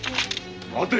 待て！